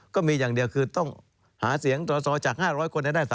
ก็มีอย่างเดียวคือต้องหาเสียงสอสอจาก๕๐๐คนให้ได้